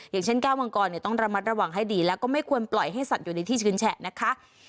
อย่างเช่นแก้วมังกรต้องระมัดระวังให้ดีแล้วก็ไม่ควรปล่อยให้สัตว์อยู่ในที่ชื้นแฉะนะคะ